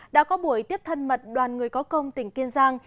đã có buổi tiếp thân mật đoàn người có công tỉnh kiên giang